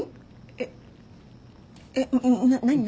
えっえっ何何？